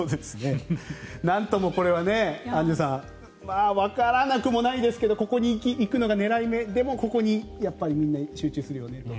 なんともこれはアンジュさんわからなくもないですけどここに行くのが狙い目でもここにやっぱりみんな集中するよねと。